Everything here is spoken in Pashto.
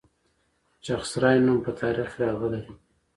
د چغسرای نوم په تاریخ کې راغلی